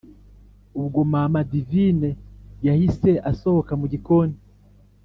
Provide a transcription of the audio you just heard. ubwo mama divine yahise asohoka mugikoni,